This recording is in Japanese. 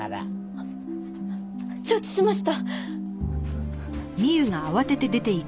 あっ承知しました。